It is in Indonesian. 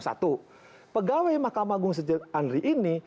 satu pegawai mahkamah agung sejak andri ini